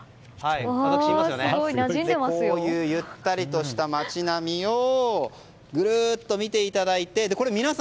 こういうゆったりとした街並みをぐるっと見ていただいて。